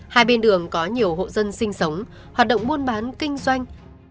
hai bên đường có nhiều hộ dân sinh sống hoạt động buôn bán kinh doanh